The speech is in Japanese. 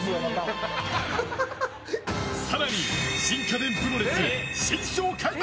更に、新家電プロレス新章開幕。